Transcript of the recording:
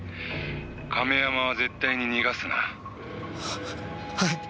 亀山は絶対に逃がすな」ははい。